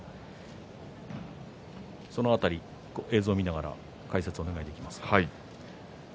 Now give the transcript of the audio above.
その辺り映像見ながら解説をお願いでますか。